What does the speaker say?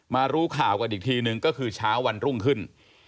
รู้ข่าวกันอีกทีนึงก็คือเช้าวันรุ่งขึ้น